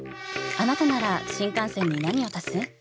あなたなら新幹線に何を足す？